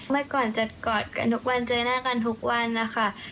เมื่อก่อนจะกอดกันทุกวันเจอหน้ากันทุกวันนะคะ